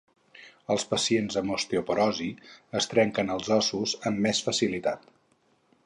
Els pacients amb osteoporosi es trenquen els ossos amb més facilitat.